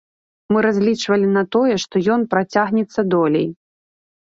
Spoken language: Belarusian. Мы разлічвалі на тое, што ён працягнецца долей.